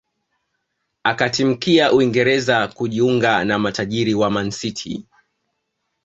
Akatimkia Uingereza kujiunga na matajiri wa Man City